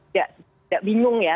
tidak bingung ya